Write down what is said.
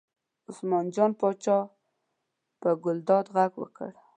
عثمان جان پاچا په ګلداد غږ وکړ.